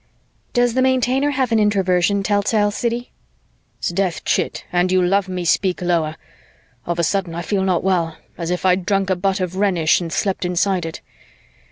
"Does the Maintainer have an Introversion telltale? Siddy!" "'Sdeath, chit, and you love me, speak lower. Of a sudden, I feel not well, as if I'd drunk a butt of Rhenish and slept inside it.